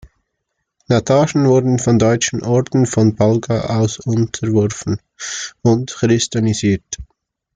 Natangen wurde vom Deutschen Orden von Balga aus unterworfen und christianisiert.